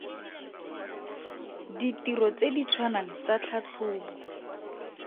Ditiro tse di tshwanang tsa Tlhatlhobo.